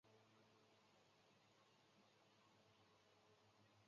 圆盾猪笼草是猪笼草属中极其濒危的物种之一。